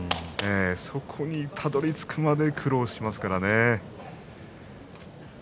そこにたどりつくまで苦労しますからね。